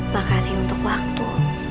makasih untuk waktu